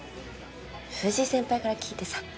藤井先輩から聞いてさ。